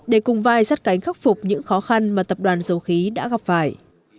để cùng vai sát cánh khắc phục những khó khăn mà tập đoàn dầu khí đã gặp phải